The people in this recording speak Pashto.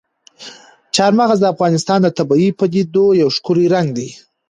چار مغز د افغانستان د طبیعي پدیدو یو ښکلی رنګ دی.